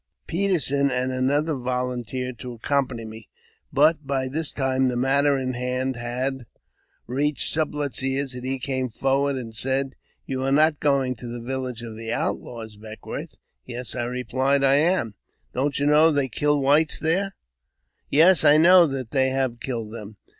Peterson and another volunteered to accompany me; but Tjy this time the matter in hand had reached Sublet's ears, «,nd he came forward and said, ♦* You are not going to the village of the Outlaws, Beck "wourth?" "Yes" I replied, "I am." " Don't you know that they kill whites there ?" •"Yes, I know that they have killed them."